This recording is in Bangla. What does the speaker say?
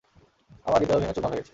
আমার হৃদয়ও ভেঙে চুরমার হয়ে গেছে!